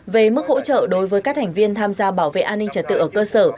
về mức hỗ trợ đối với các thành viên tham gia bảo vệ an ninh trật tự ở cơ sở